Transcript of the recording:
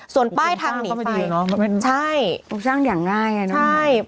ส่วนป้ายทางหนีไฟใช่สร้างอย่างง่าย